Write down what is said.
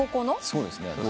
そうですね。